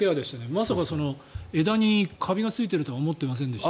まさか枝にカビがついてるとは思ってませんでした。